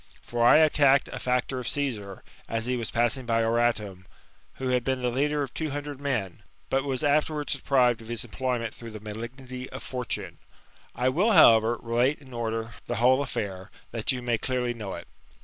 For I attacked a factor of Caesar, as he was passing by Oratum, who. had been the lead^ of two hundred men, but was afterwards deprived of his appointment through the malignity of fortune. I will, however, relate in order the whole affair, that you may clearly know it.